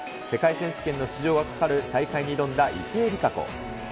世界選手権の出場がかかる大会に挑んだ池江璃花子。